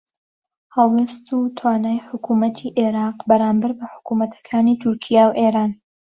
هەڵوێست و توانای حکوومەتی عێراق بەرامبەر بە حکوومەتەکانی تورکیا و ئێران